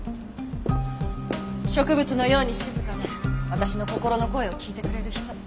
植物のように静かで私の心の声を聞いてくれる人